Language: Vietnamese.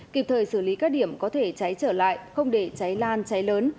kịp thời xử lý các điểm có thể cháy trở lại không để cháy lan cháy lớn